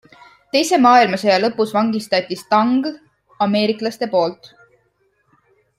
Teise maailmasõja lõpus vangitati Stangl ameeriklaste poolt.